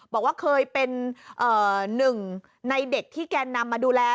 บอกว่าเคยเป็นหนึ่งในเด็กที่แกนนำมาดูแล